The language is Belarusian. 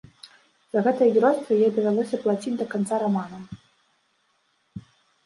За гэтае геройства ёй давялося плаціць да канца рамана.